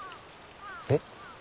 えっ？